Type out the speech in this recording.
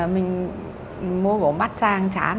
mình mua gỗ mắt tràng trán